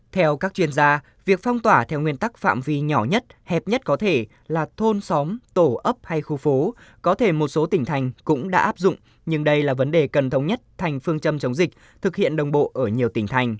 theo các chuyên gia việc phong tỏa theo nguyên tắc phạm vi nhỏ nhất hẹp nhất có thể là thôn xóm tổ ấp hay khu phố có thể một số tỉnh thành cũng đã áp dụng nhưng đây là vấn đề cần thống nhất thành phương châm chống dịch thực hiện đồng bộ ở nhiều tỉnh thành